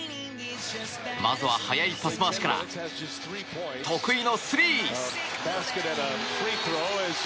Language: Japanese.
まずは速いパス回しから得意のスリー！